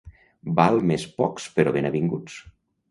Val més pocs però ben avinguts.